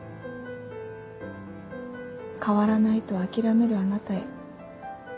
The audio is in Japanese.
変わらないと諦めるあなたへ。